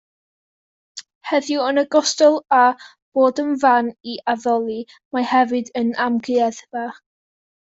Heddiw, yn ogystal â bod yn fan i addoli, mae hefyd yn amgueddfa.